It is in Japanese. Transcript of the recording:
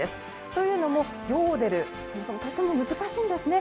というのもヨーデルとても難しいんですね。